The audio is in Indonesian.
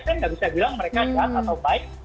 saya nggak bisa bilang mereka jahat atau baik